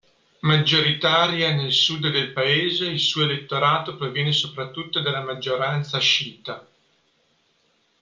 Maggioritaria nel sud del Paese, il suo elettorato proviene soprattutto dalla maggioranza sciita.